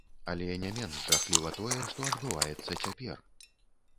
Але не менш жахліва тое, што адбываецца цяпер.